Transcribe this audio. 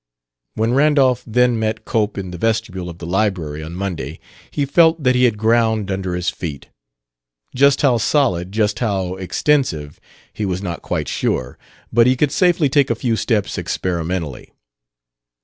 When Randolph, then, met Cope in the vestibule of the library, on Monday, he felt that he had ground under his feet. Just how solid, just how extensive, he was not quite sure; but he could safely take a few steps experimentally.